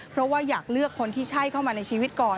เพราะว่าอยากเลือกคนที่ใช่เข้ามาในชีวิตก่อน